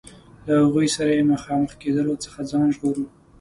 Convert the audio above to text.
له هغوی سره یې له مخامخ کېدلو څخه ځان ژغوره.